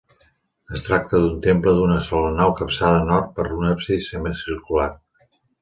Es tracta d'un temple d'una sola nau capçada a nord per un absis semicircular.